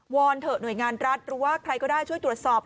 อนเถอะหน่วยงานรัฐหรือว่าใครก็ได้ช่วยตรวจสอบ